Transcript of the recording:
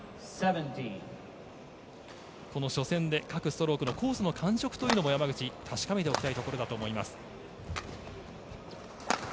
この初戦で各ストロークのコースの感触というのも山口確かめておきたいところだと思います。